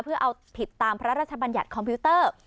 เพื่อเอาผิดตามพระราชบัญญัติคอมพิวเตอร์